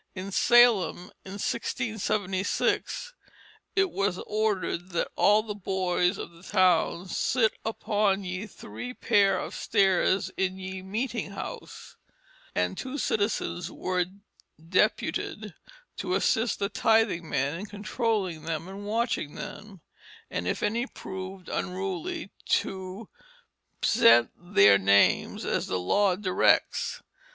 In Salem, in 1676, it was ordered that all the boys of the town "sitt upon ye three paire of stairs in ye meeting house"; and two citizens were deputed to assist the tithing man in controlling them and watching them, and if any proved unruly "to psent their names as the law directs."